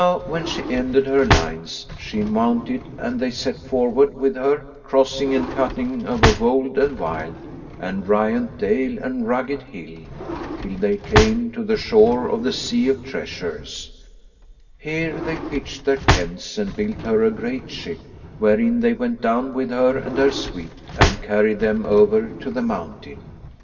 Now when she ended her lines, she mounted and they set forward with her, crossing and cutting over wold and wild and riant dale and rugged hill, till they came to the shore of the Sea of Treasures; here they pitched their tents and built her a great ship, wherein they went down with her and her suite and carried them over to the mountain.